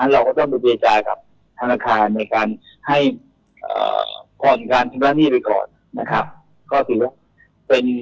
เราก็ต้องประเภทจ่ายกับธนาคารในการให้ก่อนการพิการหนี้ไปก่อน